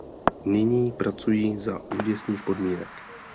Nyní pracují za úděsných podmínek.